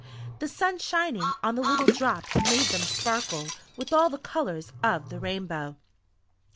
The sun shining on the little drops made them sparkle with all the colours of the rainbow.